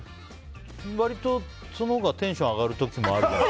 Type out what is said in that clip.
割と、そのほうがテンション上がる時もあるから。